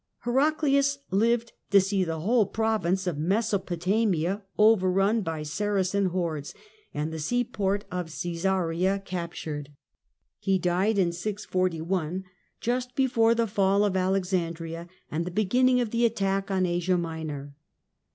Heraclius lived to see the whole province of Meso potamia overrun by Saracen 1 hordes and the sea port of Caesarea captured. He died in 641, just before the fall of Alexandria and the beginning of the attack on Asia Minor.